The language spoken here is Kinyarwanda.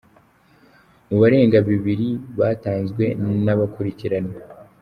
mu barenga bibiri batanzwe n’abakurikirana.